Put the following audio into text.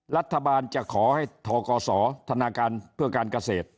รัฐบาลจะขอให้ทกศธนาคารเพื่อการเกษตร